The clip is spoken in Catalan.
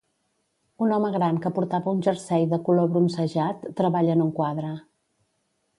Un home gran que portava un jersei de color bronzejat treballa en un quadre.